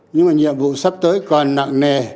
nhưng mà nhiệm vụ sắp tới còn nặng nề